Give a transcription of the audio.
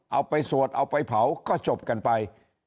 เอาไปสวดเอาไปเผาก็จบกันไป